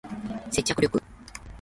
接着力